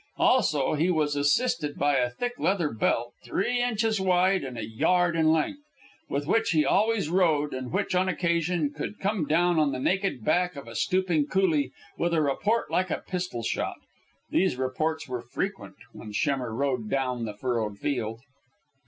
Also, he was assisted by a thick leather belt, three inches wide and a yard in length, with which he always rode and which, on occasion, could come down on the naked back of a stooping coolie with a report like a pistol shot. These reports were frequent when Schemmer rode down the furrowed field.